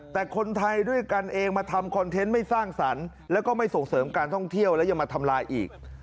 แต่คนไทยด้วยกันเองมาทำคอนเทนต์ไม่สร้างสรรค์แล้วก็ไม่ส่งเสริมการท่องเที่ยวแล้วยังมาทำลายอีก